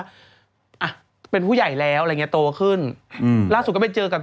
อ่ะเป็นผู้ใหญ่แล้วอะไรอย่างเงี้โตขึ้นอืมล่าสุดก็ไปเจอกับ